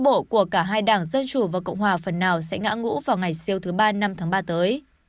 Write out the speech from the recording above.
và kết quả bầu cử sơ bộ của cả hai đảng dân chủ và cộng hòa phần nào sẽ ngã ngũ vào ngày siêu thứ ba năm tháng ba tới